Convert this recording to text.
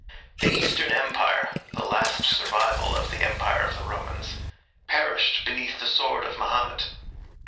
The Eastern Empire, the last survival of the Empire of the Romans, perished beneath the sword of Mahomet.